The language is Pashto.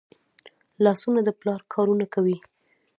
لاسونه د پلار کارونه کوي